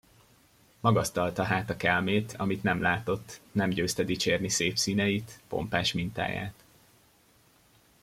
Magasztalta hát a kelmét, amit nem látott, nem győzte dicsérni szép színeit, pompás mintáját.